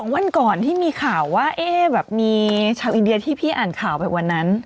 วันก่อนที่มีข่าวว่ามีชาวอินเดียที่พี่อ่านข่าวไปวันนั้น